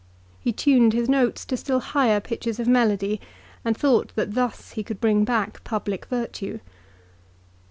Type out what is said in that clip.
He tuned his notes to still higher pitches of melody, and thought that thus he could bring back public virtue.